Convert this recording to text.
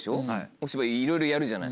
お芝居いろいろやるじゃない。